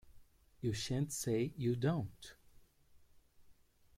You shan't say you don't.